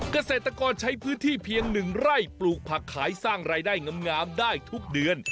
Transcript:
เกษตรกรใช้พื้นที่เพียง๑ไร่ปลูกผักขายสร้างรายได้งามได้ทุกเดือน